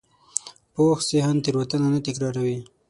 پوخ ذهن تېروتنه نه تکراروي